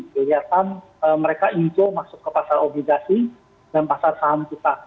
kelihatan mereka info masuk ke pasar obligasi dan pasar saham kita